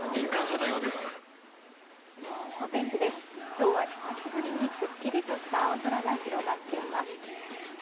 今日は久しぶりにすっきりとした青空が広がっています。